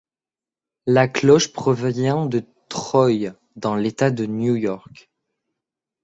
La cloche provient de Troy, dans l'état de New-York.